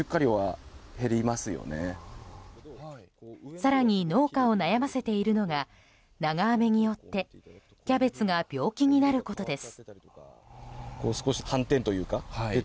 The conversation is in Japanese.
更に農家を悩ませているのが長雨によってキャベツが病気になることです。